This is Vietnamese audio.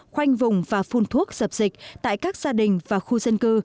khoanh vùng và phun thuốc dập dịch tại các gia đình và khu dân cư